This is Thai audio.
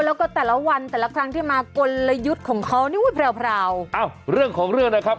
แล้วก็แต่ละวันแต่ละครั้งที่มากลยุทธ์ของเขานี่อุ้ยแพรวอ้าวเรื่องของเรื่องนะครับ